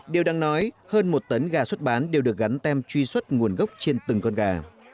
điều đáng nói hơn một tấn gà xuất bán đều được gắn tem truy xuất nguồn gốc trên từng con gà